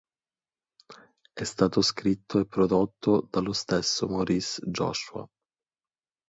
È stato scritto e prodotto dallo stesso Maurice Joshua.